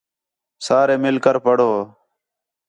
سارے مِل کر پڑھو